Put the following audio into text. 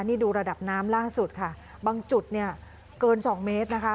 นี่ดูระดับน้ำล่าสุดค่ะบางจุดเนี่ยเกินสองเมตรนะคะ